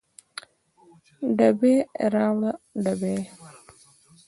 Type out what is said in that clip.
ډبې راوړه ډبې